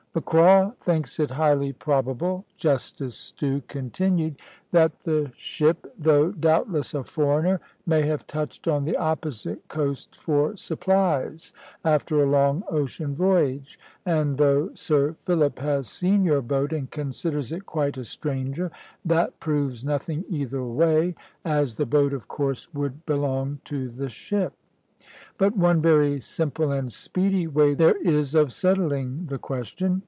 "Macraw thinks it highly probable," Justice Stew continued, "that the ship, though doubtless a foreigner, may have touched on the opposite coast for supplies, after a long ocean voyage: and though Sir Philip has seen your boat, and considers it quite a stranger, that proves nothing either way, as the boat of course would belong to the ship. But one very simple and speedy way there is of settling the question.